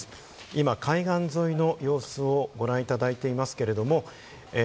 今、海岸沿いの様子をご覧いただいています。